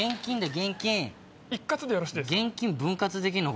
現金分割できんの？